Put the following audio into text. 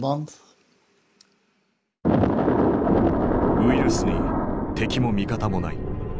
ウイルスに敵も味方もない。